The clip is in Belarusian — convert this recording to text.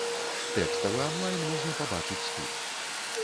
Тэкставы анлайн можна пабачыць тут.